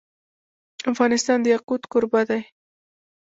افغانستان د یاقوت کوربه دی.